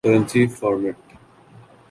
currency format